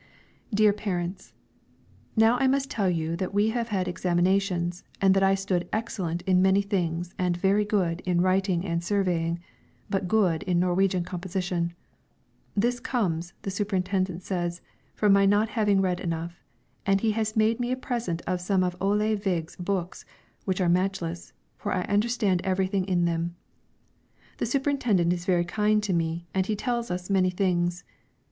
DEAR PARENTS, Now I must tell you that we have had examinations, and that I stood 'excellent' in many things, and 'very good' in writing and surveying, but 'good' in Norwegian composition. This comes, the superintendent says, from my not having read enough, and he has made me a present of some of Ole Vig's books, which are matchless, for I understand everything in them. The superintendent is very kind to me, and he tells us many things.